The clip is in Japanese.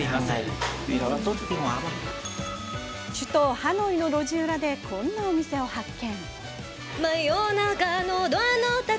首都ハノイの路地裏でこんな店を発見。